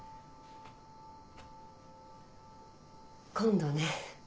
今度ね。